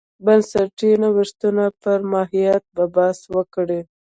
بنسټي نوښتونو پر ماهیت به بحث وکړو.